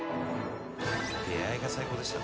・出あいが最高でしたね。